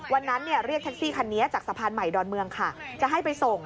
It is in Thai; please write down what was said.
วันนั้นเรียกเท็กซี่คันนี้จากสะพานใหม่ดอนเมืองค่ะ